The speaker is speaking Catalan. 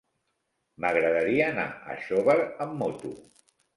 M'agradaria anar a Xóvar amb moto.